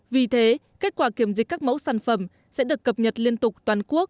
vì thế kết quả kiểm dịch các mẫu sản phẩm sẽ được cập nhật liên tục toàn quốc